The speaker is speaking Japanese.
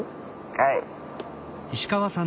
はい。